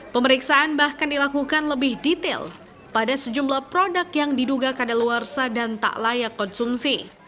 pemeriksaan bahkan dilakukan lebih detail pada sejumlah produk yang diduga kadaluarsa dan tak layak konsumsi